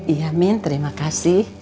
iya min terima kasih